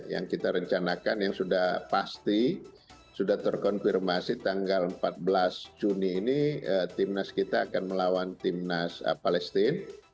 yang kita rencanakan yang sudah pasti sudah terkonfirmasi tanggal empat belas juni ini timnas kita akan melawan timnas palestine